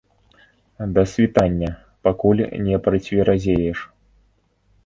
Да світання, пакуль не працверазееш.